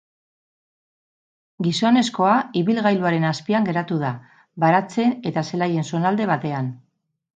Gizonezkoa ibilgailuaren azpian geratu da, baratzen eta zelaien zonalde batean.